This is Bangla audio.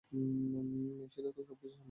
মিশেলের তো সবকিছুই স্পেশাল।